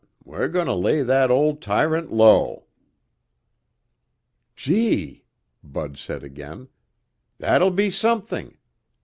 We're going to lay that old tyrant low." "Gee!" Bud said again. "That'll be something!